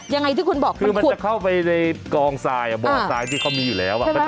ยังไงที่คุณบอกมันขุดคือมันจะเข้าไปในกองสายบอสายที่เขามีอยู่แล้วใช่ไหมคะ